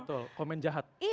betul komen jahat